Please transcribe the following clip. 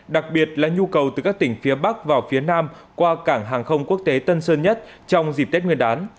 đặc biệt là nhu cầu từ các tỉnh phía bắc vào phía nam qua cảng hàng không quốc tế tân sơn nhất trong dịp tết nguyên đán